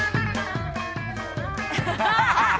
ハハハハ！